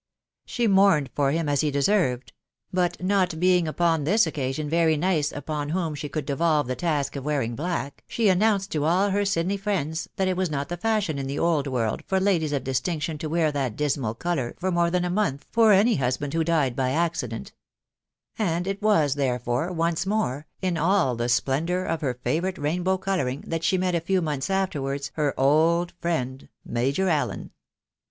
She mourned for him as he deserved ; but . not being upon this occasion very nice upon whom sfoe could devolve the task of wearing black, she announced to all her Sydney friends that it was not the fashion in the old world for ladies of dis tinction to wear that dismal colour for more than a month for any husband who died by accident ; and it was, therefore, once more, i» all the splendour of her favourite rainbow colouring, that she met a few months afterwards her old friend Major Allen.